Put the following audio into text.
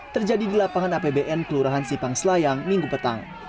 terjadi di lapangan apbn kelurahan sipang selayang minggu petang